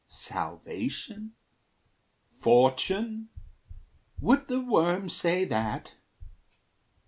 "Salvation? Fortune? Would the worm say that?